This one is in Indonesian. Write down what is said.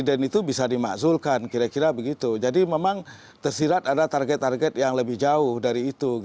presiden itu bisa dimakzulkan kira kira begitu jadi memang tersirat ada target target yang lebih jauh dari itu